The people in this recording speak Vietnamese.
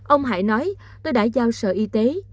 ông hải nói tôi đã giao sở y tế